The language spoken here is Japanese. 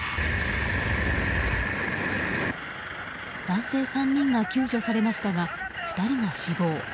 男性３人が救助されましたが２人が死亡。